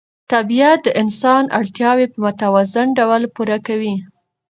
طبیعت د انسان اړتیاوې په متوازن ډول پوره کوي